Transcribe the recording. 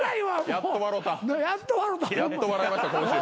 やっと笑えました今週。